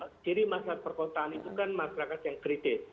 sendiri masyarakat perkotaan itu kan masyarakat yang kritis